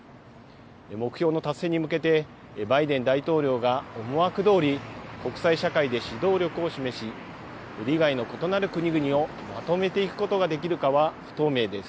目標の達成に向けて、バイデン大統領が思惑どおり、国際社会で指導力を示し、利害の異なる国々をまとめていくことができるかは不透明です。